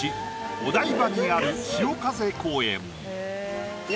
お台場にある潮風公園。